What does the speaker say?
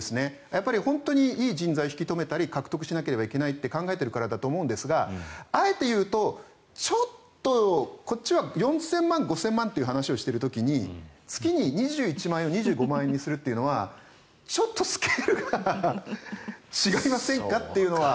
やっぱり本当にいい人材を引き留めたり獲得しなければいけないと考えているからだと思うんですがあえて言うとちょっとこっちは４０００万円５０００万円という話をしている時に月に２１万円を２５万円にするというのはちょっとスケールが違いませんかというのは。